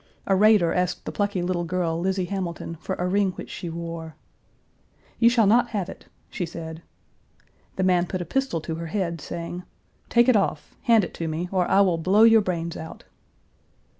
A raider asked the plucky little girl, Lizzie Hamilton, for a ring which she wore. "You shall not have it," she said. The man put a pistol to her head, saying, "Take it off, hand it to me, or I will blow your brains out."